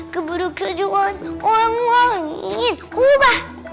keburu kejuan orang orang ingin ubah